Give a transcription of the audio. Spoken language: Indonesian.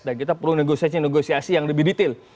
dan kita perlu negosiasi negosiasi yang lebih detail